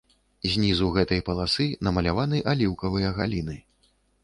Знізу гэтай паласы намаляваны аліўкавыя галіны.